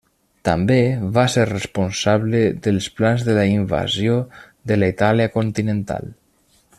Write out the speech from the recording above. També va ser responsable dels plans de la invasió de la Itàlia continental.